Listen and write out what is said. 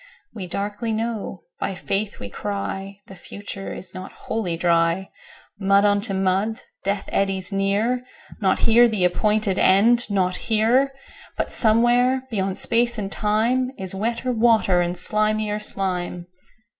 13We darkly know, by Faith we cry,14The future is not Wholly Dry.15Mud unto mud! Death eddies near 16Not here the appointed End, not here!17But somewhere, beyond Space and Time.18Is wetter water, slimier slime!